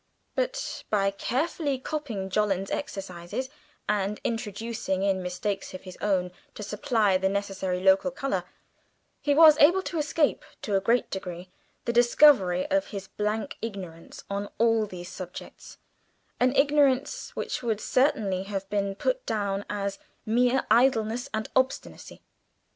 But by carefully copying Jolland's exercises, and introducing enough mistakes of his own to supply the necessary local colour, he was able to escape to a great degree the discovery of his blank ignorance on all these subjects an ignorance which would certainly have been put down as mere idleness and obstinacy.